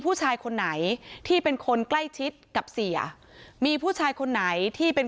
ผู้ชายคนไหนที่เป็นคนใกล้ชิดกับเสียมีผู้ชายคนไหนที่เป็น